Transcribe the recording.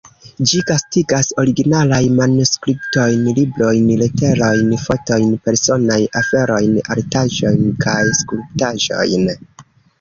Ĝi gastigas originalaj manuskriptojn, librojn, leterojn, fotojn, personaj aferojn, artaĵojn kaj skulptaĵojn.